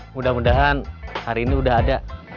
mudah mudahan hari ini sudah ada